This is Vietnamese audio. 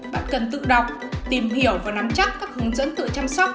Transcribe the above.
bạn cần tự đọc tìm hiểu và nắm chắc các hướng dẫn tự chăm sóc